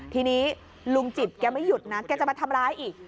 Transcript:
ทีนี้ลุงจิตแกไม่หยุดนะแกจะมาทำร้ายอีก